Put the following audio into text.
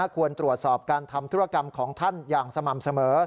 ควรตรวจสอบการทำธุรกรรมของท่านอย่างสม่ำเสมอ